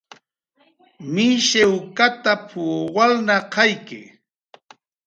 "Mishiwkatap"" walnaqayki"